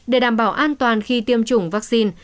để đảm bảo an toàn khi tiêm chủng vaccine